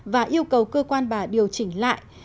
và yêu cầu cơ quan bà điều chỉnh lại